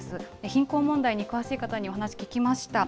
貧困問題に詳しい方に、お話聞きました。